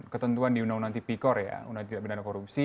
ketentuan di undang undang tipikor ya undang undang tidak benar korupsi